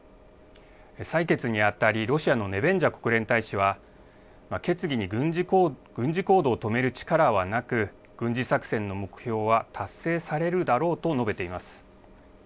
採決にあたり、ロシアのネベンジャ国連大使は、決議に軍事行動を止める力はなく、軍事作戦の目標は達成されるだろうと述べています。